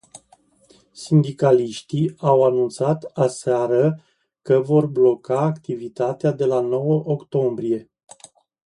Sindicaliștii au anunțat aseară că vor bloca activitatea de la nouă octombrie.